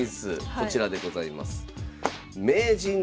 こちらでございます。